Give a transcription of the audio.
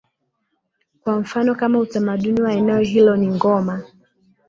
kwa mfano kama utamaduni wa eneo hilo ni ngoma